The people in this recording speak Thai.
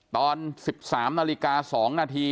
ตอน๑๓นาฬิกา๒นาที